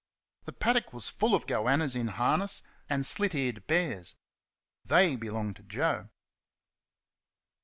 The paddock was full of goannas in harness and slit eared bears. THEY belonged to Joe.